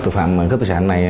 các tù phạm cướp tài sản này